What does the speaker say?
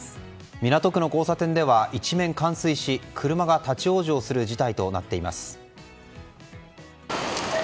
港区の交差点では一面冠水し車が立ち往生する事態となっています。